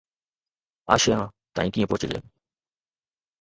آشيان تائين ڪيئن پهچجي؟